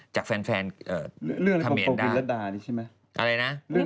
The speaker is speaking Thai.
จากแฟนคาเมนได้